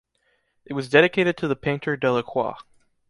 It was dedicated to the painter Delacroix.